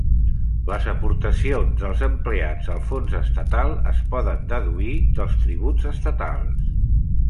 Les aportacions del empleats al fons estatal es poden deduir dels tributs estatals.